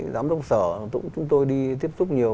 giám đốc sở chúng tôi đi tiếp xúc nhiều